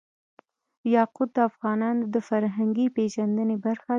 یاقوت د افغانانو د فرهنګي پیژندنې برخه ده.